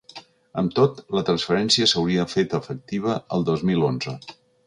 Amb tot, la transferència s’hauria fet efectiva el dos mil onze.